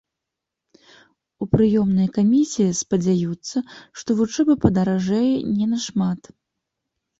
У прыёмнай камісіі спадзяюцца, што вучоба падаражэе не нашмат.